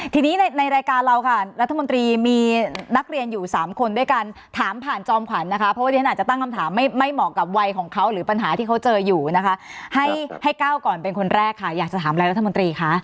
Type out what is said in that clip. ทีนี้ในรายการเราค่ะรัฐมนตรีมีนักเรียนอยู่๓คนด้วยกันถามผ่านจอมขวัญนะคะเพราะว่าที่ฉันอาจจะตั้งคำถามไม่เหมาะกับวัยของเขาหรือปัญหาที่เขาเจออยู่นะคะให้ให้ก้าวก่อนเป็นคนแรกค่ะอยากจะถามอะไรรัฐมนตรีคะ